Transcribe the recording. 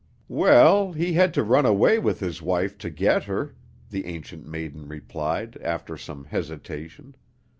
"Well, he had to run away with his wife, to get her," the Ancient Maiden replied, after some hesitation.